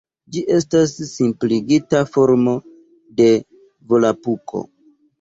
Ĝi estas simpligita formo de Volapuko.